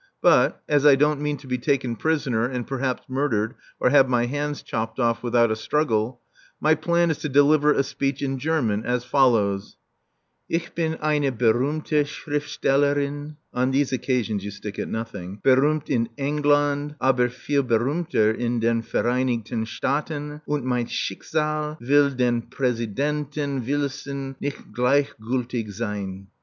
But, as I don't mean to be taken prisoner, and perhaps murdered or have my hands chopped off, without a struggle, my plan is to deliver a speech in German, as follows: "Ich bin eine berühmte Schriftstellerin" (on these occasions you stick at nothing), "_berühmt in England, aber viel berühmter in den Vereinigten Staaten, und mein Schicksal will den Presidenten Wilson nicht gleichgültig sein_."